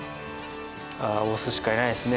ああオスしかいないですね。